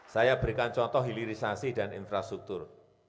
saya berikan contoh hilirisasi dan infrastruktur